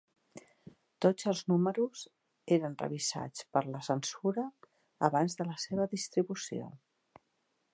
Tots els números eren revisats per la censura abans de la seva distribució.